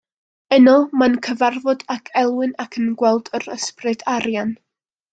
Yno mae'n cyfarfod ag Elwyn ac yn gweld yr Ysbryd Arian.